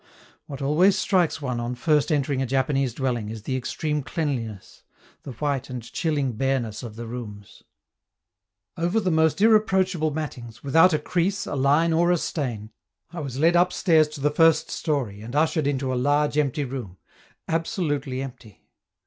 What always strikes one on first entering a Japanese dwelling is the extreme cleanliness, the white and chilling bareness of the rooms. Over the most irreproachable mattings, without a crease, a line, or a stain, I was led upstairs to the first story and ushered into a large, empty room absolutely empty!